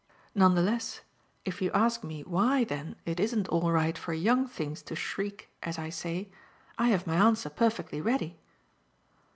None the less if you ask me why then it isn't all right for young things to 'shriek' as I say, I have my answer perfectly ready."